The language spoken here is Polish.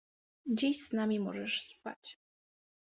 Dziś z nami możesz spać.